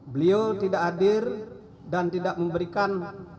beliau tidak hadir dan tidak memberikan